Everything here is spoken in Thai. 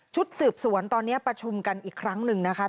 สืบสวนตอนนี้ประชุมกันอีกครั้งหนึ่งนะคะ